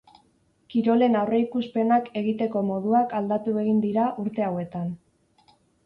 Kirolen aurreikuspenak egiteko moduak aldatu egin dira urte hauetan.